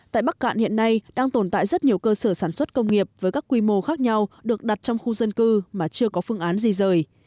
tại bắc cạn hiện nay đang tồn tại rất nhiều cơ sở sản xuất công nghiệp với các quy mô khác nhau được đặt trong khu dân cư mà chưa có phương án di rời